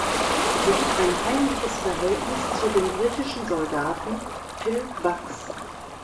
Sie hat ein heimliches Verhältnis zu dem britischen Soldaten Phil Bucks.